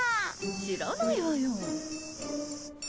知らないわよ。